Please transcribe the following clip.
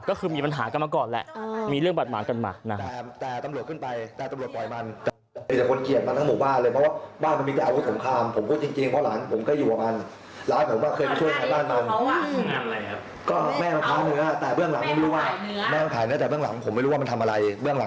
ก็คือมีปัญหากันมาก่อนแหละมีเรื่องบาดหมางกันหนักนะครับ